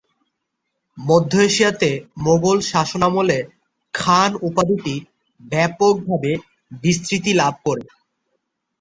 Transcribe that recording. মধ্য এশিয়াতে মোঘল শাসন আমলে খান' উপাধিটি ব্যাপক ভাবে বিস্তৃতি লাভ করে।